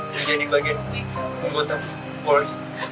menjadi bagian anggota polri